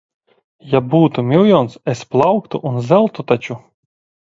Ja būtu miljons, es plauktu un zeltu taču.